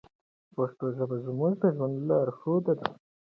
پښتو ژبه زموږ د ژوند لارښود ده.